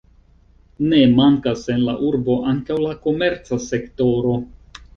Ne mankas en la urbo ankaŭ la komerca sektoro.